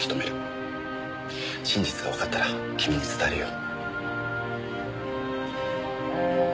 真実がわかったら君に伝えるよ。